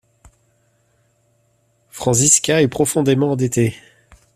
Franziska est profondément endettée.